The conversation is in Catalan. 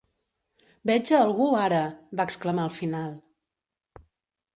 'Veig a algú, ara!' va exclamar al final.